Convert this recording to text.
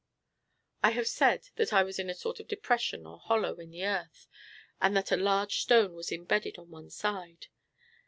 I have said that I was in a sort of depression or hollow in the earth, and that a large stone was imbedded on one side.